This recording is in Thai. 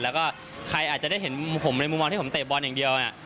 แล้วก็ใครอาจจะได้เห็นผมในมุมมองที่ผมเตะบอลอย่างเดียว